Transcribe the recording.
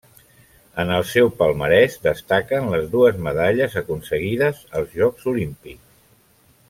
En el seu palmarès destaquen les dues medalles aconseguides als Jocs Olímpics.